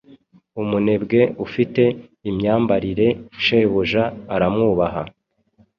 Umunebwe ufite imyambarire Shebuja aramwubaha